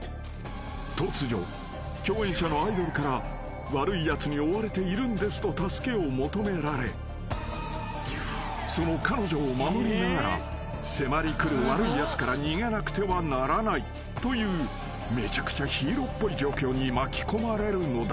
［突如共演者のアイドルから悪いやつに追われているんですと助けを求められその彼女を守りながら迫り来る悪いやつから逃げなくてはならないというめちゃくちゃヒーローっぽい状況に巻き込まれるのだ］